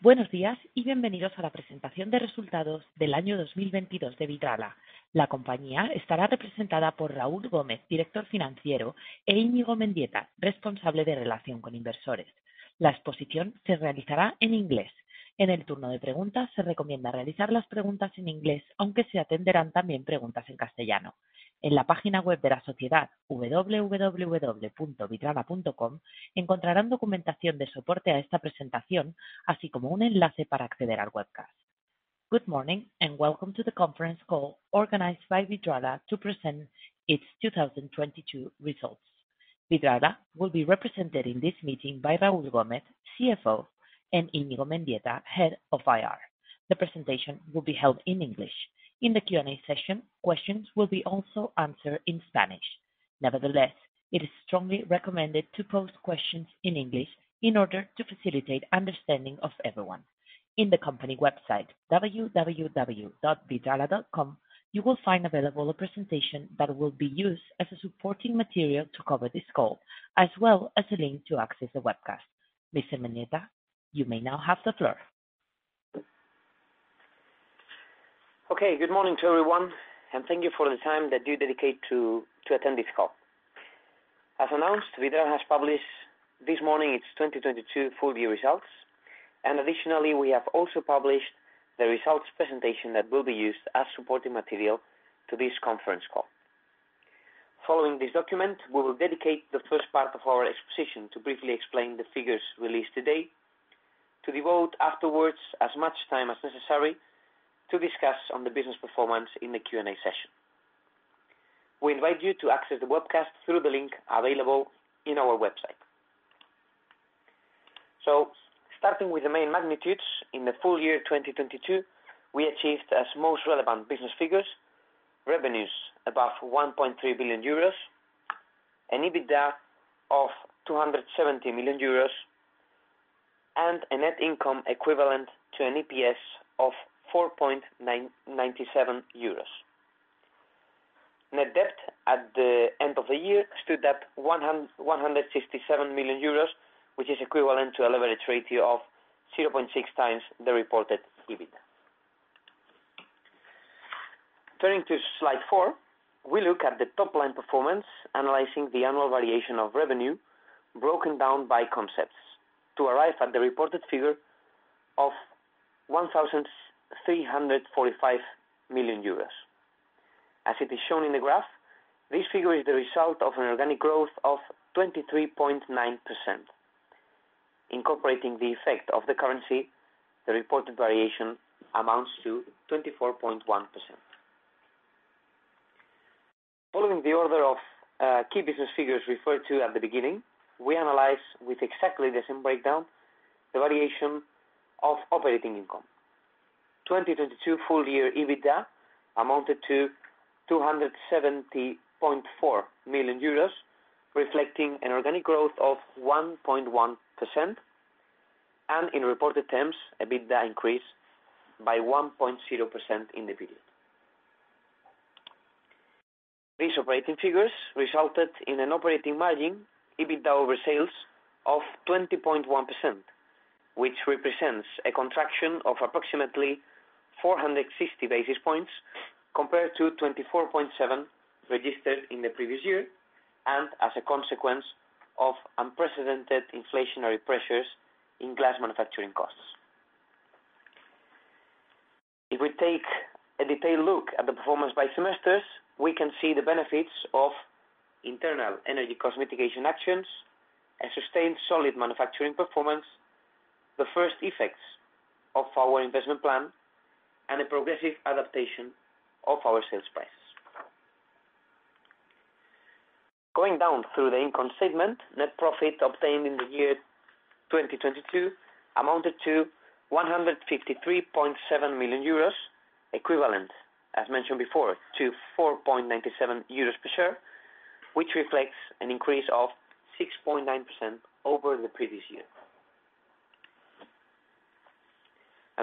Buenos días y bienvenidos a la presentación de resultados del año 2022 de Vidrala. La compañía estará representada por Raúl Gómez, director financiero, e Iñigo Mendieta, responsable de relación con inversores. La exposición se realizará en inglés. En el turno de preguntas, se recomienda realizar las preguntas en inglés, aunque se atenderán también preguntas en castellano. En la página web de la sociedad, www.vidrala.com, encontrarán documentación de soporte a esta presentación, así como un enlace para acceder al webcast. Good morning and welcome to the conference call organized by Vidrala to present its 2022 results. Vidrala will be represented in this meeting by Raúl Gómez, CFO, and Iñigo Mendieta, head of IR. The presentation will be held in English. In the Q&A session, questions will be also answered in Spanish. It is strongly recommended to pose questions in English in order to facilitate understanding of everyone. In the company website, www.vidrala.com, you will find available a presentation that will be used as a supporting material to cover this call, as well as a link to access the webcast. Mr. Mendieta, you may now have the floor. Okay. Good morning to everyone. Thank you for the time that you dedicate to attend this call. As announced, Vidrala has published this morning its 2022 full year results. Additionally, we have also published the results presentation that will be used as supporting material to this conference call. Following this document, we will dedicate the first part of our exposition to briefly explain the figures released today, to devote afterwards as much time as necessary to discuss on the business performance in the Q&A session. We invite you to access the webcast through the link available in our website. Starting with the main magnitudes, in the full year 2022, we achieved as most relevant business figures, revenues above 1.3 billion euros, an EBITDA of 270 million euros, and a net income equivalent to an EPS of 4.997 euros. Net debt at the end of the year stood at 157 million euros, which is equivalent to a leverage ratio of 0.6 times the reported EBITDA. Turning to slide four, we look at the top-line performance, analyzing the annual variation of revenue broken down by concepts to arrive at the reported figure of 1,345 million euros. As it is shown in the graph, this figure is the result of an organic growth of 23.9%. Incorporating the effect of the currency, the reported variation amounts to 24.1%. Following the order of key business figures referred to at the beginning, we analyse with exactly the same breakdown the variation of operating income. 2022 full year EBITDA amounted to 270.4 million euros, reflecting an organic growth of 1.1%, and in reported terms, a EBITDA increase by 1.0% in the period. These operating figures resulted in an operating margin, EBITDA over sales, of 20.1%, which represents a contraction of approximately 460 basis points compared to 24.7% registered in the previous year and as a consequence of unprecedented inflationary pressures in glass manufacturing costs. If we take a detailed look at the performance by semesters, we can see the benefits of internal energy cost mitigation actions, a sustained solid manufacturing performance, the first effects of our investment plan, and a progressive adaptation of our sales prices. Going down through the income statement, net profit obtained in the year 2022 amounted to 153.7 million euros, equivalent, as mentioned before, to 4.97 euros per share, which reflects an increase of 6.9% over the previous year.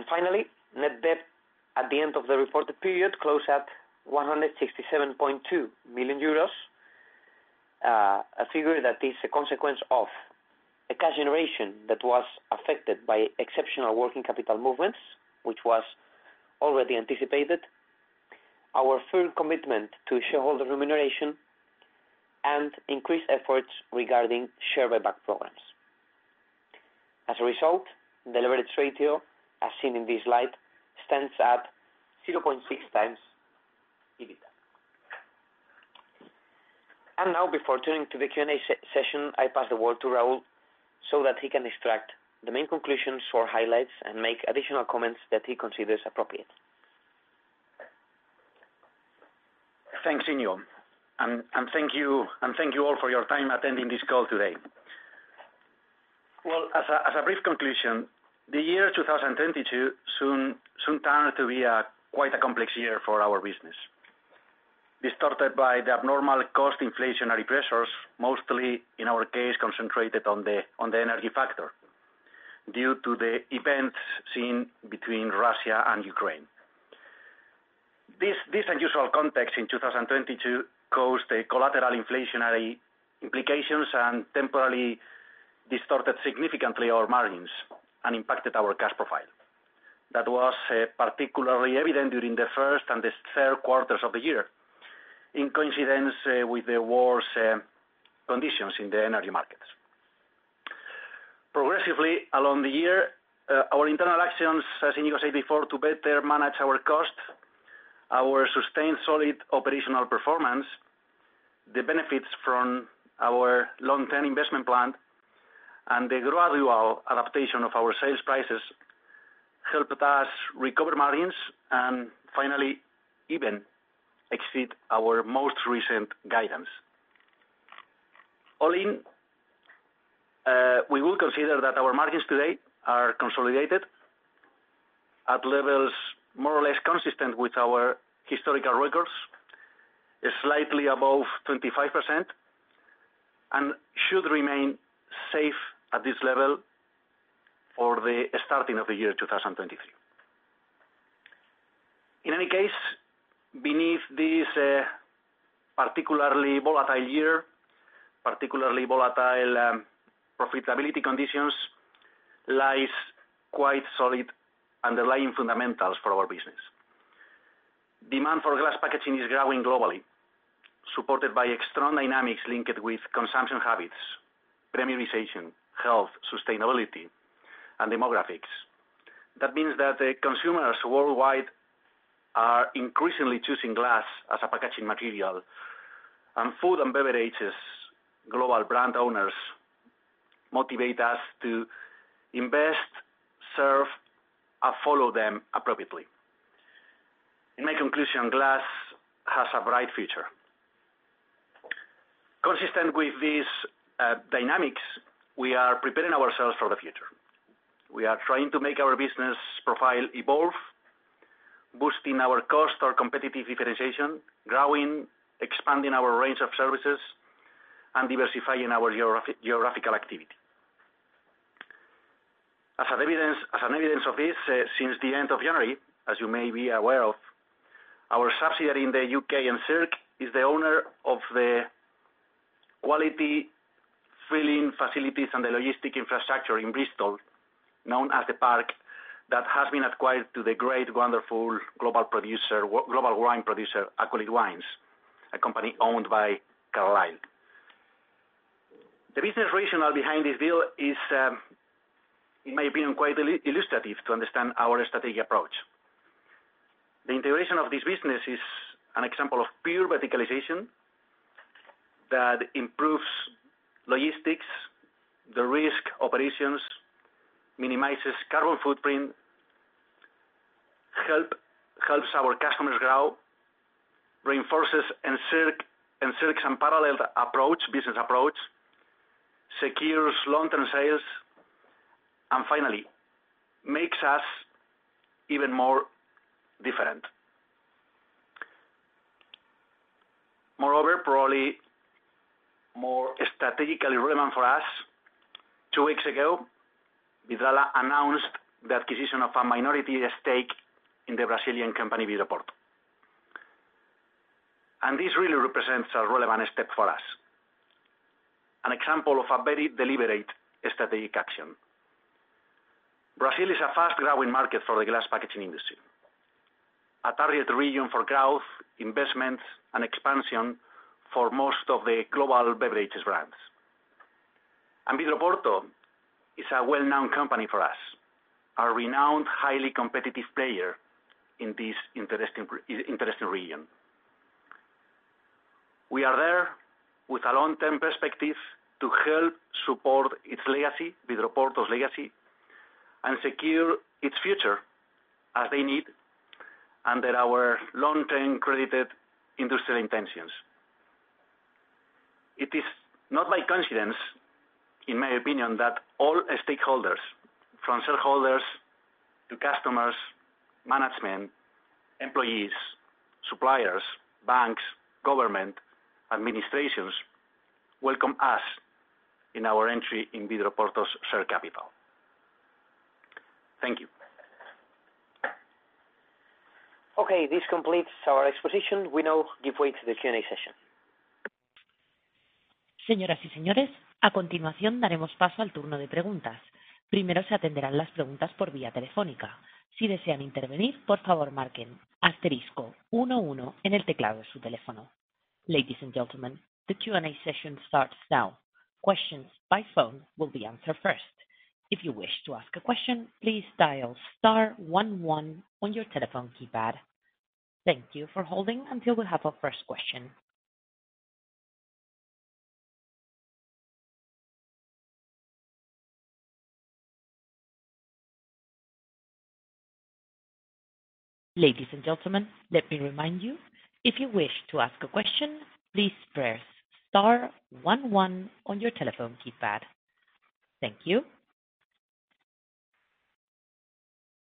Finally, net debt at the end of the reported period closed at 167.2 million euros. A figure that is a consequence of a cash generation that was affected by exceptional working capital movements, which was already anticipated, our firm commitment to shareholder remuneration, and increased efforts regarding share buyback programs. As a result, the leverage ratio, as seen in this slide, stands at 0.6 times EBITDA. Before turning to the Q&A session, I pass the word to Raúl so that he can extract the main conclusions for highlights and make additional comments that he considers appropriate. Thanks, Iñigo. Thank you all for your time attending this call today. Well, as a brief conclusion, the year 2022 soon turned out to be a quite a complex year for our business. Distorted by the abnormal cost inflationary pressures, mostly in our case, concentrated on the energy factor due to the events seen between Russia and Ukraine. This unusual context in 2022 caused a collateral inflationary implication and temporarily distorted significantly our margins and impacted our cash profile. That was particularly evident during the first and the third quarters of the year in coincidence with the worse conditions in the energy markets. Progressively along the year, our internal actions, as Iñigo said before, to better manage our cost, our sustained solid operational performance, the benefits from our long-term investment plan, and the gradual adaptation of our sales prices helped us recover margins and finally even exceed our most recent guidance. All in, we will consider that our margins today are consolidated at levels more or less consistent with our historical records, is slightly above 25% and should remain safe at this level for the starting of the year 2023. In any case, beneath this, particularly volatile year, particularly volatile profitability conditions lies quite solid underlying fundamentals for our business. Demand for glass packaging is growing globally, supported by external dynamics linked with consumption habits, premiumization, health, sustainability, and demographics. That means that the consumers worldwide are increasingly choosing glass as a packaging material. Food and beverages global brand owners motivate us to invest, serve, and follow them appropriately. In my conclusion, glass has a bright future. Consistent with these dynamics, we are preparing ourselves for the future. We are trying to make our business profile evolve, boosting our cost or competitive differentiation, growing, expanding our range of services, and diversifying our geographical activity. As an evidence of this, since the end of January, as you may be aware of, our subsidiary in the U.K., Encirc, is the owner of the quality filling facilities and the logistic infrastructure in Bristol, known as The Park, that has been acquired to the great, wonderful global wine producer, Accolade Wines, a company owned by Carlyle. The business rationale behind this deal is, in my opinion, quite illustrative to understand our strategic approach. The integration of this business is an example of pure verticalization that improves logistics, derisk operations, minimizes carbon footprint, helps our customers grow, reinforces Encirc's unparalleled approach, business approach, secures long-term sales, and finally makes us even more different. Moreover, probably more strategically relevant for us, two weeks ago, Vidrala announced the acquisition of a minority stake in the Brazilian company, Vidroporto. This really represents a relevant step for us, an example of a very deliberate strategic action. Brazil is a fast-growing market for the glass packaging industry, a target region for growth, investment, and expansion for most of the global beverages brands. Vidroporto is a well-known company for us, a renowned, highly competitive player in this interesting region. We are there with a long-term perspective to help support its legacy, Vidroporto's legacy, and secure its future as they need under our long-term credited industry intentions. It is not by coincidence, in my opinion, that all stakeholders, from shareholders to customers, management, employees, suppliers, banks, government, administrations welcome us in our entry in Vidroporto's share capital. Thank you. Okay. This completes our exposition. We now give way to the Q&A session. Ladies and gentlemen, the Q&A session starts now. Questions by phone will be answered first. If you wish to ask a question, please dial star one one on your telephone keypad. Thank you for holding until we have our first question. Ladies and gentlemen, let me remind you, if you wish to ask a question, please press star one one on your telephone keypad. Thank you.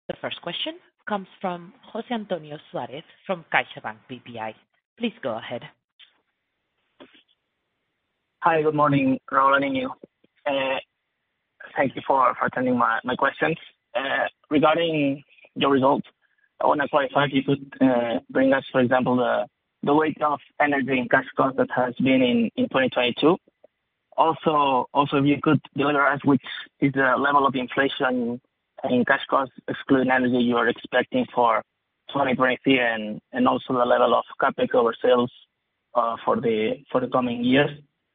The first question comes from José Antonio Suárez from CaixaBank BPI. Please go ahead. Hi, good morning, Raúl and Iñigo. Thank you for attending my questions. Regarding the results, I wanna clarify if you could bring us, for example, the weight of energy and cash cost that has been in 2022. Also if you could elaborate which is the level of inflation in cash costs excluding energy you are expecting for 2023, and also the level of CapEx over sales for the coming years.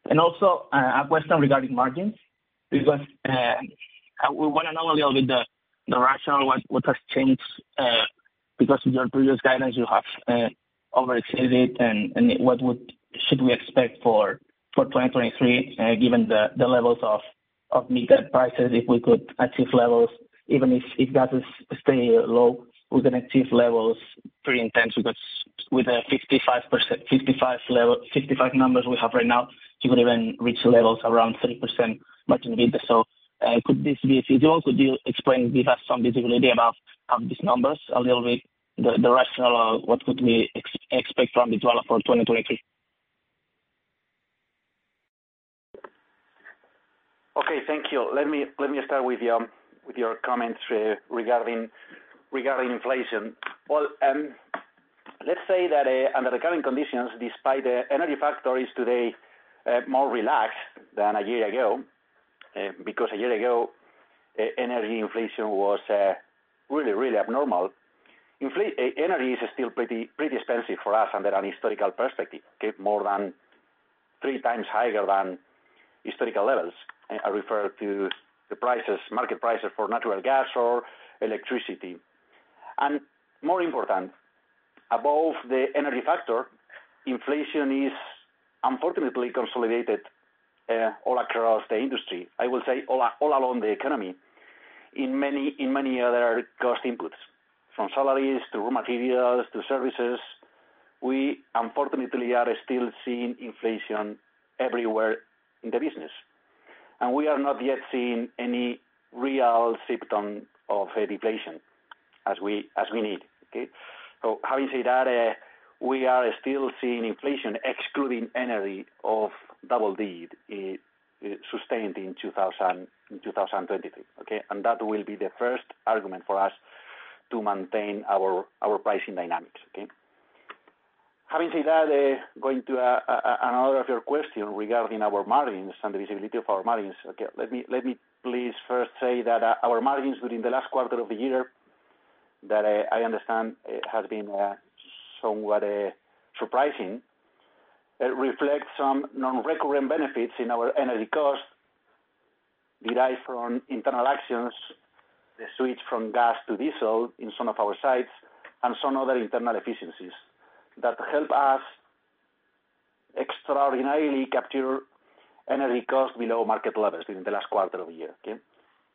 A question regarding margins, because we wanna know a little bit the rationale what has changed, because in your previous guidance you have over exceeded, and should we expect for 2023, given the levels of mid-term prices, if we could achieve levels, even if gas stays low, we can achieve levels pretty intense because with the 55% numbers we have right now, you could even reach levels around 3% margin EBITDA. Could this be feasible? Could you explain, give us some visibility about these numbers a little bit, the rationale, what could we expect from this level for 2023? Okay, thank you. Let me start with your comments regarding inflation. Well, let's say that under the current conditions, despite the energy factor is today more relaxed than a year ago, because a year ago energy inflation was really abnormal. Energy is still pretty expensive for us under an historical perspective, okay? More than three times higher than historical levels. I refer to the prices, market prices for natural gas or electricity. More important, above the energy factor, inflation is unfortunately consolidated all across the industry. I will say all along the economy in many other cost inputs, from salaries to raw materials to services. We unfortunately are still seeing inflation everywhere in the business. We are not yet seeing any real symptom of a deflation as we need. Okay. Having said that, we are still seeing inflation excluding energy of double digit, sustained in 2023. Okay. That will be the first argument for us to maintain our pricing dynamics. Okay. Having said that, going to another of your question regarding our margins and the visibility of our margins. Okay. Let me please first say that our margins during the last quarter of the year, that I understand has been somewhat surprising, reflect some non-recurrent benefits in our energy costs derived from internal actions, the switch from gas to diesel in some of our sites and some other internal efficiencies that help us extraordinarily capture energy costs below market levels during the last quarter of the year. Okay.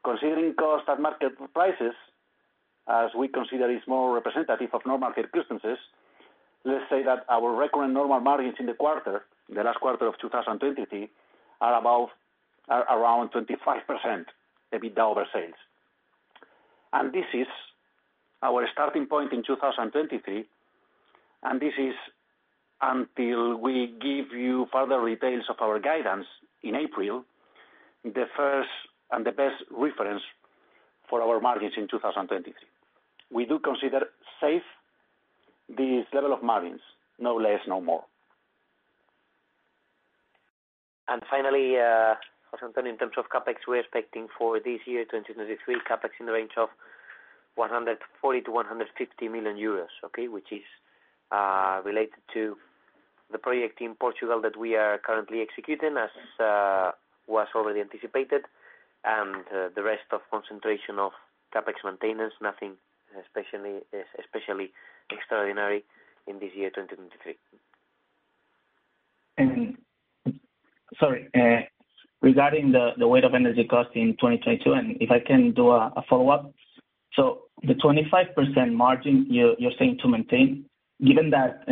Considering costs at market prices, as we consider is more representative of normal market circumstances, let's say that our recurrent normal margins in the quarter, in the last quarter of 2023, are around 25%, the EBITDA over sales. This is our starting point in 2023, and this is until we give you further details of our guidance in April, the first and the best reference for our margins in 2023. We do consider safe this level of margins, no less, no more. Finally, José Antonio, in terms of CapEx, we're expecting for this year, 2023, CapEx in the range of 140 million-150 million euros, okay? Which is related to the project in Portugal that we are currently executing as was already anticipated, and the rest of concentration of CapEx maintenance, nothing especially extraordinary in this year, 2023. Sorry, regarding the weight of energy cost in 2022, and if I can do a follow-up. The 25% margin you're saying to maintain, given that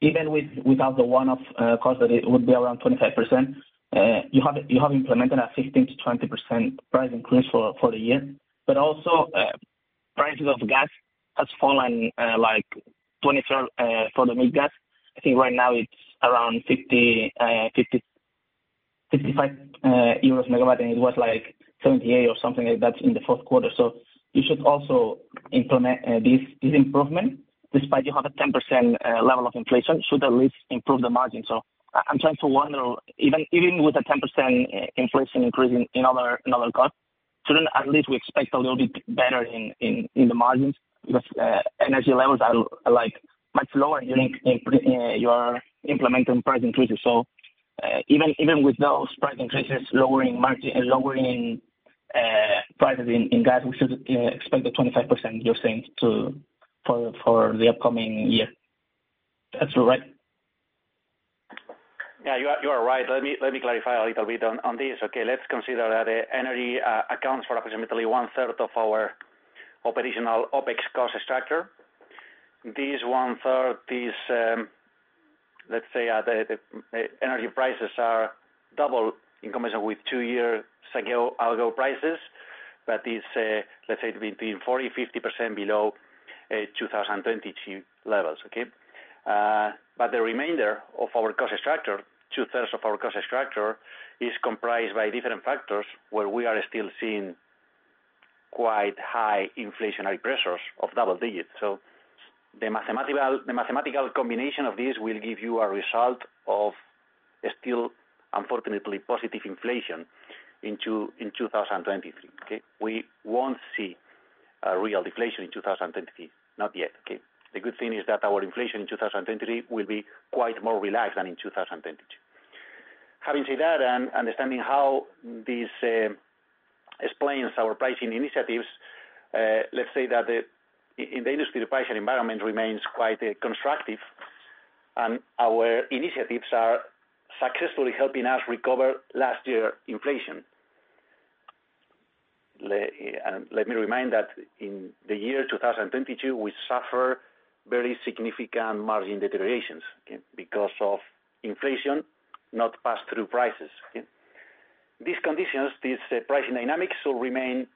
even without the one-off cost that it would be around 25%, you have implemented a 15%-20% price increase for the year. Also, prices of gas has fallen like 2/3 for the mid curve. I think right now it's around 50-55 euros MW, and it was like 78 or something like that in the fourth quarter. You should also implement this improvement, despite you have a 10% level of inflation should at least improve the margin. I'm trying to wonder, even with a 10% inflation increase in other costs, shouldn't at least we expect a little bit better in the margins because energy levels are like much lower during your implementing price increases. Even with those price increases lowering prices in gas, we should expect the 25% you're saying for the upcoming year. That's right? Yeah, you are right. Let me clarify a little bit on this, okay? Let's consider that energy accounts for approximately 1/3 of our operational OpEx cost structure. This 1/3 is, let's say, the energy prices are double in comparison with two-year ago prices. That is, let's say between 40%-50% below 2022 levels, okay? The remainder of our cost structure, 2/3 of our cost structure is comprised by different factors where we are still seeing quite high inflationary pressures of double digits. The mathematical combination of this will give you a result of still, unfortunately, positive inflation into, in 2023, okay? We won't see a real deflation in 2023. Not yet, okay? The good thing is that our inflation in 2023 will be quite more relaxed than in 2022. Having said that, understanding how this explains our pricing initiatives, let's say that in the industry, the pricing environment remains quite constructive, and our initiatives are successfully helping us recover last year inflation. Let me remind that in the year 2022, we suffer very significant margin deteriorations, okay? Because of inflation, not pass-through prices, okay? These conditions, these pricing dynamics will remain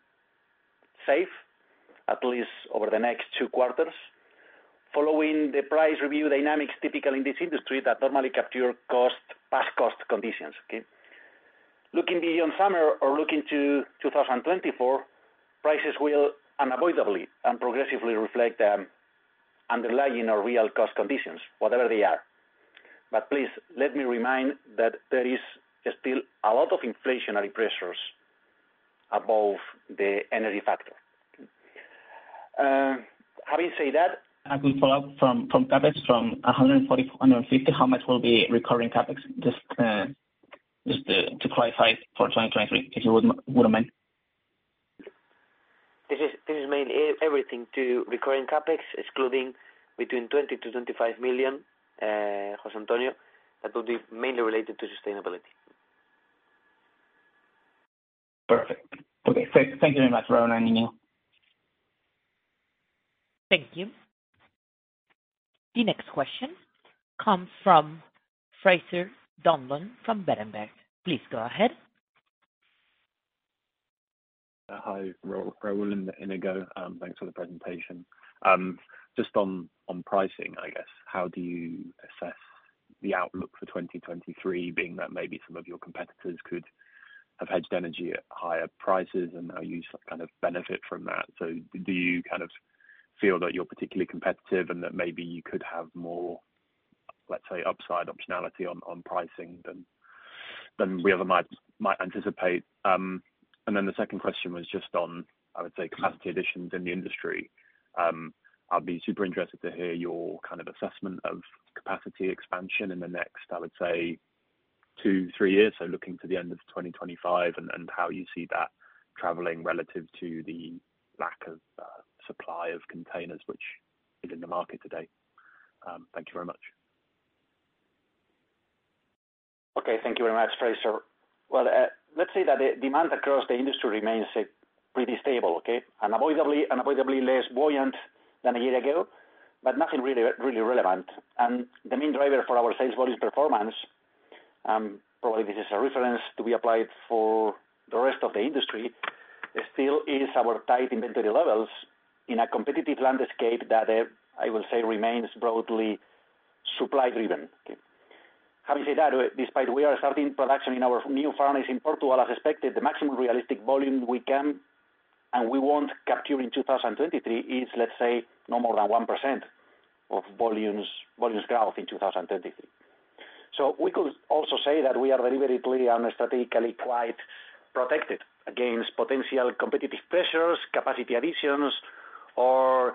safe at least over the next two quarters following the price review dynamics typical in this industry that normally capture cost, past cost conditions, okay? Looking beyond summer or looking to 2024, prices will unavoidably and progressively reflect underlying or real cost conditions, whatever they are. Please let me remind that there is still a lot of inflationary pressures above the energy factor. A quick follow-up from CapEx from 140-150, how much will be recurring CapEx? Just to clarify for 2023, if you wouldn't mind. This is everything to recurring CapEx, excluding between 20 million-25 million, José Antonio, that will be mainly related to sustainability. Perfect. Okay. Thank you very much, Raúl and Iñigo. Thank you. The next question comes from Fraser Donlon from Berenberg. Please go ahead. Hi, Raúl and Iñigo, thanks for the presentation. Just on pricing, I guess, how do you assess the outlook for 2023 being that maybe some of your competitors could have hedged energy at higher prices and now you kind of benefit from that. Do you kind of feel that you're particularly competitive and that maybe you could have more, let's say, upside optionality on pricing than we other might anticipate? Then the second question was just on, I would say, capacity additions in the industry. I'd be super interested to hear your kind of assessment of capacity expansion in the next, I would say, two-three years, so looking to the end of 2025, and how you see that traveling relative to the lack of supply of containers which is in the market today. Thank you very much. Okay. Thank you very much, Fraser. Well, let's say that the demand across the industry remains pretty stable, okay? Unavoidably less buoyant than a year ago, but nothing really relevant. The main driver for our sales volume performance, probably this is a reference to be applied for the rest of the industry, still is our tight inventory levels in a competitive landscape that I will say remains broadly supply driven, okay. Having said that, despite we are starting production in our new furnace in Portugal as expected, the maximum realistic volume we can and we want to capture in 2023 is, let's say, no more than 1% of volumes growth in 2023. We could also say that we are very, very clearly and strategically quite protected against potential competitive pressures, capacity additions or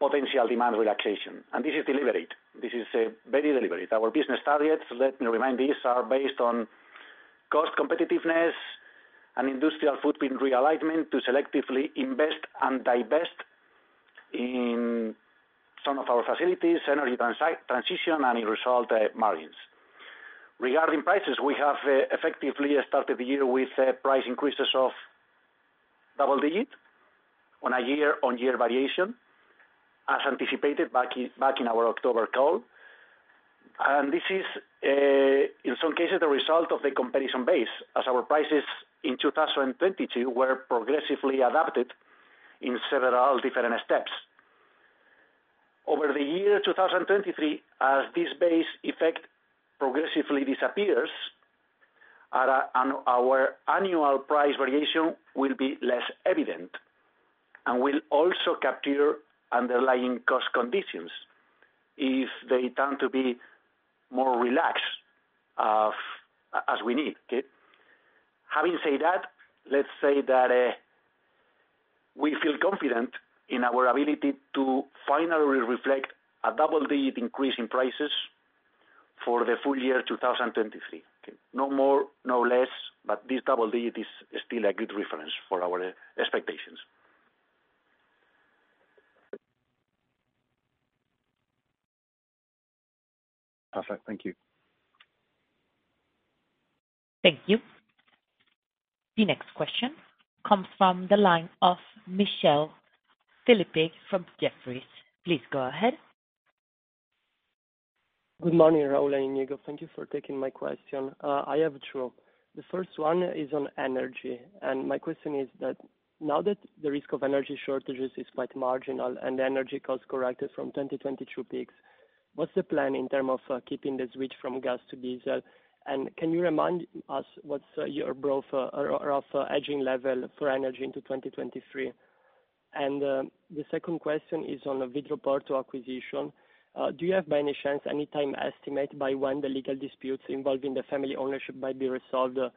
potential demand relaxation. This is deliberate. This is very deliberate. Our business targets, let me remind these are based on cost competitiveness and industrial footprint realignment to selectively invest and divest in some of our facilities, energy transition, and in result, margins. Regarding prices, we have effectively started the year with price increases of double digits on a year-over-year variation, as anticipated back in our October call. This is, in some cases, the result of the comparison base as our prices in 2022 were progressively adapted in several different steps. Over the year 2023, as this base effect progressively disappears, our annual price variation will be less evident. We'll also capture underlying cost conditions if they turn to be more relaxed, as we need, okay. Having said that, let's say that we feel confident in our ability to finally reflect a double-digit increase in prices for the full year 2023, okay. No more, no less, this double digit is still a good reference for our expectations. Perfect. Thank you. Thank you. The next question comes from the line of Michele Fila from Jefferies. Please go ahead. Good morning, Raúl and Iñigo. Thank you for taking my question. I have two. The first one is on energy. My question is that now that the risk of energy shortages is quite marginal and energy costs corrected from 2022 peaks, what's the plan in term of keeping the switch from gas to diesel? Can you remind us what's your growth or hedging level for energy into 2023? The second question is on the Vidroporto acquisition. Do you have, by any chance, any time estimate by when the legal disputes involving the family ownership might be resolved to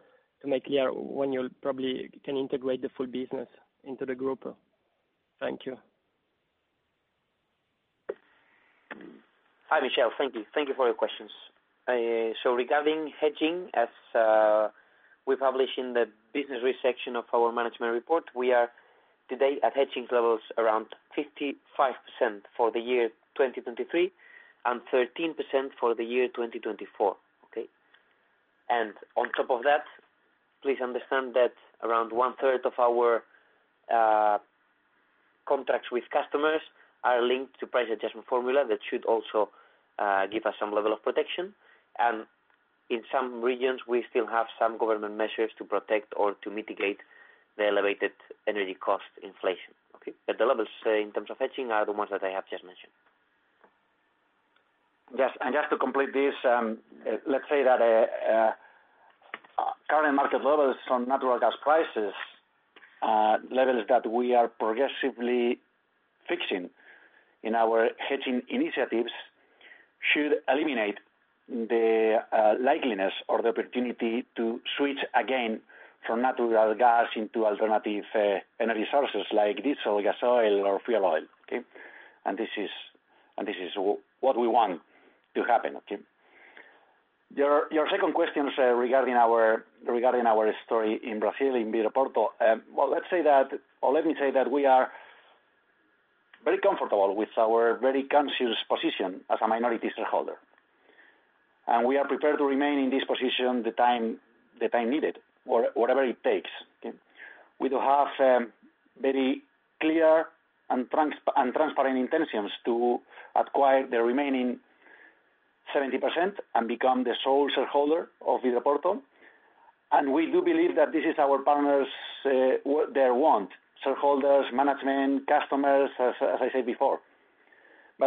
make clear when you'll probably can integrate the full business into the group? Thank you. Hi, Michele. Thank you. Thank you for your questions. Regarding hedging, as we published in the business risk section of our management report, we are today at hedging levels around 55% for the year 2023, and 13% for the year 2024. Okay. On top of that, please understand that around one-third of our contracts with customers are linked to price adjustment formula. That should also give us some level of protection. In some regions, we still have some government measures to protect or to mitigate the elevated energy cost inflation. Okay. The levels in terms of hedging are the ones that I have just mentioned. Yes. Just to complete this, let's say that current market levels on natural gas prices, levels that we are progressively fixing in our hedging initiatives, should eliminate the likeliness or the opportunity to switch again from natural gas into alternative energy sources like diesel, gas oil, or fuel oil. Okay? This is what we want to happen. Okay? Your second question is regarding our story in Brazil, in Vidroporto. Well, let's say that or let me say that we are very comfortable with our very conscious position as a minority shareholder, and we are prepared to remain in this position the time needed or whatever it takes. We do have very clear and transparent intentions to acquire the remaining 70% and become the sole shareholder of Vidroporto. We do believe that this is our partners, their want, shareholders, management, customers, as I said before.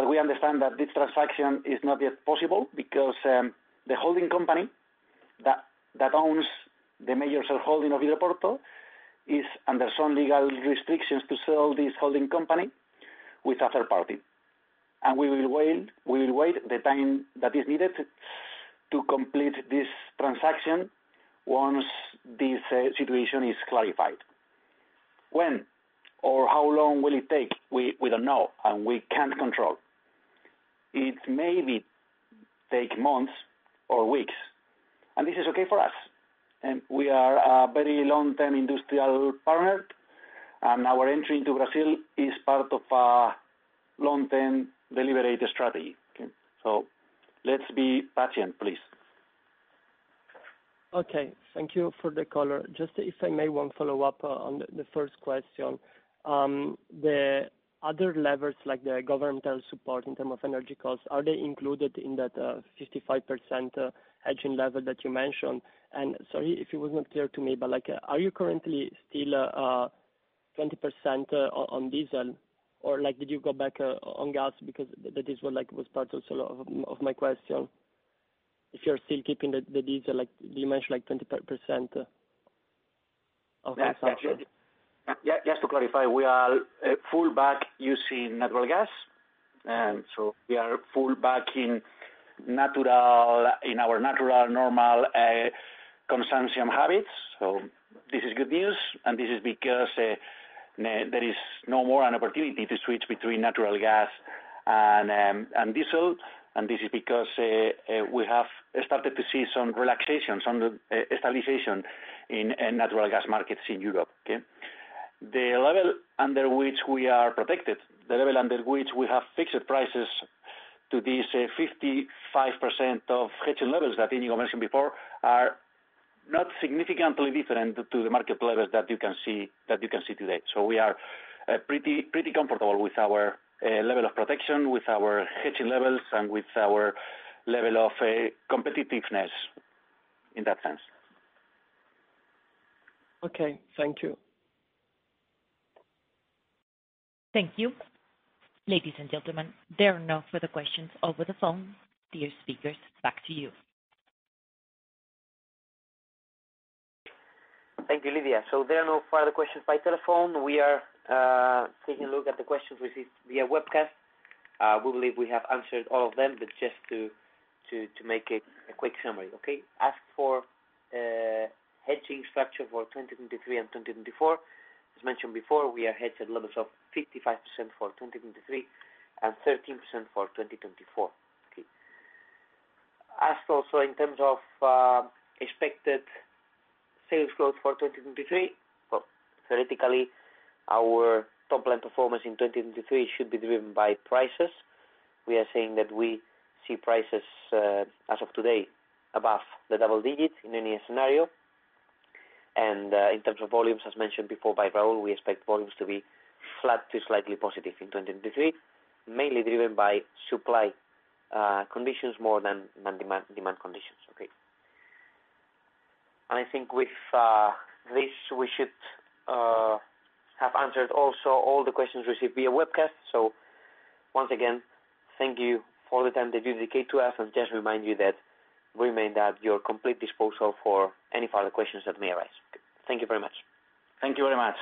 We understand that this transaction is not yet possible because the holding company that owns the major shareholding of Vidroporto is under some legal restrictions to sell this holding company with other party. We will wait the time that is needed to complete this transaction once this situation is clarified. When or how long will it take? We don't know, and we can't control. It may be take months or weeks, and this is okay for us. We are a very long-term industrial partner, and our entry into Brazil is part of a long-term deliberate strategy. Okay? Let's be patient, please. Okay. Thank you for the color. Just if I may, one follow-up on the first question. The other levers, like the governmental support in term of energy costs, are they included in that 55% hedging level that you mentioned? And sorry if it was not clear to me, but, like, are you currently still 20% on diesel, or, like, did you go back on gas? Because that is what, like, was part also of my question. If you're still keeping the diesel, like you mentioned, like 20% of consumption. Yeah. Just to clarify, we are full back using natural gas. We are full back in natural, in our natural, normal consumption habits. This is good news, and this is because there is no more an opportunity to switch between natural gas and diesel. This is because we have started to see some relaxation, some stabilization in natural gas markets in Europe. Okay? The level under which we are protected, the level under which we have fixed prices to this 55% of hedging levels that Iñigo mentioned before, are not significantly different to the market levels that you can see, that you can see today. We are pretty comfortable with our level of protection, with our hedging levels, and with our level of competitiveness in that sense. Okay. Thank you. Thank you. Ladies and gentlemen, there are no further questions over the phone. Dear speakers, back to you. Thank you, Lydia. There are no further questions by telephone. We are taking a look at the questions received via webcast. We believe we have answered all of them, but just to make a quick summary. Okay. Ask for hedging structure for 2023 and 2024. As mentioned before, we are hedged at levels of 55% for 2023, and 13% for 2024. Okay. Ask also in terms of expected sales growth for 2023. Well, theoretically, our top line performance in 2023 should be driven by prices. We are saying that we see prices, as of today, above the double-digit in any scenario. In terms of volumes, as mentioned before by Raúl, we expect volumes to be flat to slightly positive in 2023, mainly driven by supply conditions more than demand conditions. Okay. I think with this, we should have answered also all the questions received via webcast. Once again, thank you for the time that you dedicate to us, and just remind you that we remain at your complete disposal for any further questions that may arise. Thank you very much. Thank you very much.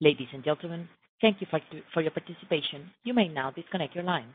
Ladies and gentlemen, thank you for your participation. You may now disconnect your lines.